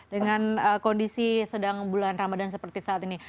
dengan kondisi sedang bulan ramadan seperti saat ini